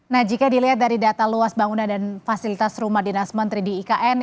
nah jika dilihat dari data luas bangunan dan fasilitas rumah dinas menteri di ikn